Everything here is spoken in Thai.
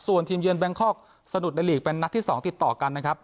ส่วนทีมเยือนแบงคอกสะดุดในลีกเป็นนัดที่๒ติดต่อกันนะครับ